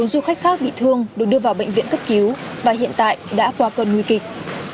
bốn du khách khác bị thương được đưa vào bệnh viện cấp cứu và hiện tại đã qua cơn nguy kịch